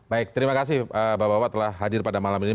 baik terima kasih bapak bapak telah hadir pada malam ini